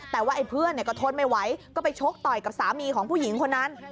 แต่ว่าไอ้เพื่อนก็ทนไม่ไหวก็ไปชกต่อยกับสามีของผู้หญิงคนนั้น